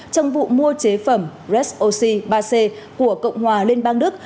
trong vụ mua chế phẩm resoc ba c của cộng hòa liên bang đức